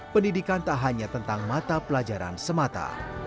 pendidikan tak hanya tentang mata pelajaran semata